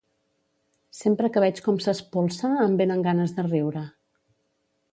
Sempre que veig com s'espolsa em vénen ganes de riure.